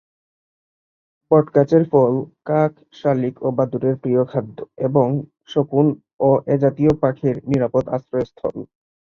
বট গাছের ফল কাক, শালিক ও বাদুড়ের প্রিয় খাদ্য এবং শকুন ও এ জাতীয় পাখির নিরাপদ আশ্রয়স্থল।